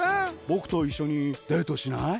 『ぼくといっしょにデートしない？』。